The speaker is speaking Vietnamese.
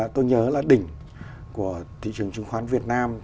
tôi nhớ là đỉnh của thị trường chứng khoán việt nam